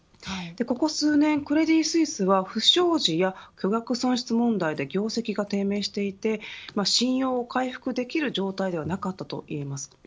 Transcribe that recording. ここ数年、クレディ・スイスは不祥事や巨額損失問題で業績が低迷していて信用を回復できる状態ではなかったといえます。